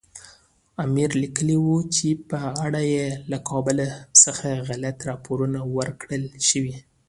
امیر لیکلي وو چې په اړه یې له کابل څخه غلط راپورونه ورکړل شوي.